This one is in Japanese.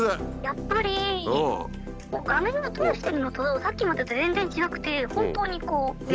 やっぱり画面を通してるのとさっきまでと全然違くて本当にこう目の前にいる。